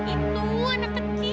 itu anak kecil